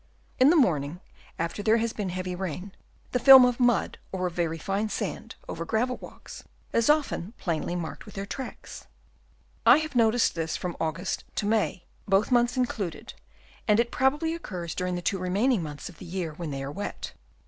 In the morning, after there has been heavy rain, the film of mud or of very fine sand over gravel walks is often Chap. I. WANDER FROM THEIR BURROWS. 15 plainly marked with their tracks. I have noticed this from August to May, both months included, and it probably occurs during the two remaining months of the year when they are wet.